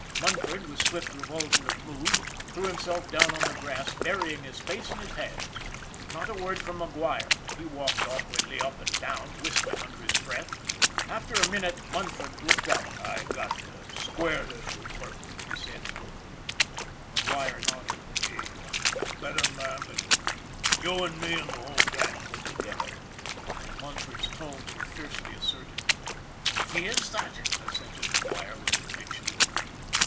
Munford, with swift revulsion of mood, threw him self down on the grass, burying his face in his hands. Not a word from McGuire; he walked awkwardly up and down, whistling under his breath. After a minute Munford looked up. " I got to square this with Burton," he said brokenly. McGuire nodded. " He's a better man than you and me and the whole gang put together " Munford's tones were fiercely assertive. " He is that," assented McGuire, with conviction.